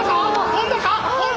跳んだか？